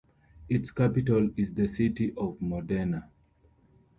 Its capital is the city of Modena.